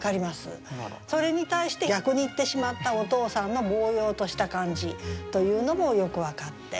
それに対して逆に行ってしまったお父さんのぼう洋とした感じというのもよく分かって。